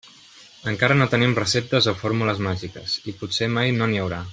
Encara no tenim receptes o fórmules màgiques, i potser mai no n'hi haurà.